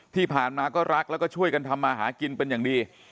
ที่ผ่านมาก็รักแล้วก็ช่วยกันทำมาหากินเป็นอย่างดี